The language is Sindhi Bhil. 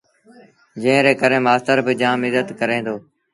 جݩهݩ ري ڪري مآستر با جآم ازت ڪري دو